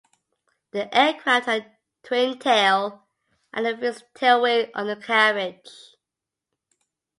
The aircraft had a twin-tail and a fixed tailwheel undercarriage.